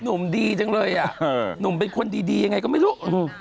หนุ่มดีจังเลยอ่ะหนุ่มเป็นคนดีดียังไงก็ไม่รู้